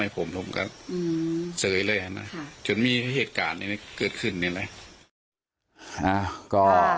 ความสะดวก